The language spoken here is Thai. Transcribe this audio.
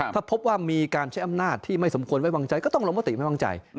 ถ้าพบว่ามีการใช้อำนาจที่ไม่สมควรไว้วางใจก็ต้องลงมติไม่วางใจ